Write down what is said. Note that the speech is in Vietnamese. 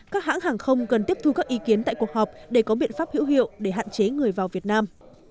các hãng hàng không cần tiếp thu các ý kiến tại cuộc họp để có biện pháp hữu hiệu để hạn chế người vào việt nam